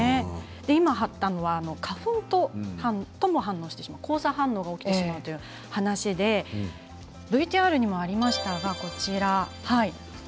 今あったのは花粉とも反応をしてしまった交差反応が起きてしまったということでＶＴＲにもありましたけれどこちらです。